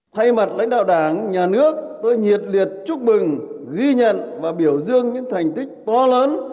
thay mặt lãnh đạo đảng nhà nước tôi nhiệt liệt chúc mừng ghi nhận và biểu dương những thành tích to lớn